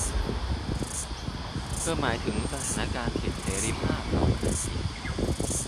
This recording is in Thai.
เธอหมายถึงสถานการณ์สิทธิเสรีภาพ เราก็นั่งคิด